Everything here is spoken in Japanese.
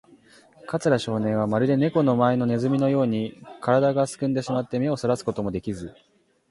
桂少年は、まるでネコの前のネズミのように、からだがすくんでしまって、目をそらすこともできず、